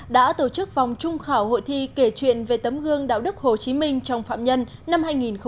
đã tổ chức vòng trung khảo hội thi kể chuyện về tấm gương đạo đức hồ chí minh trong phạm nhân năm hai nghìn hai mươi